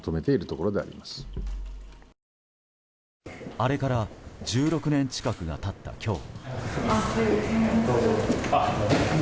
あれから１６年近くが経った今日。